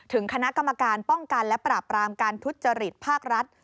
ถึงคณะกรรมการป้องกันและปราบรามการทุจริตภาครัฐ